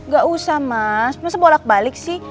gak usah mas maksudnya bolak balik sih